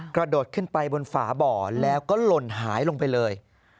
กระโดดขึ้นไปบนฝาบ่อแล้วก็หล่นหายลงไปเลย